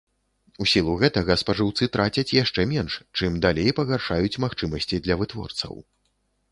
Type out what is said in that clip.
У сілу гэтага спажыўцы трацяць яшчэ менш, чым далей пагаршаюць магчымасці для вытворцаў.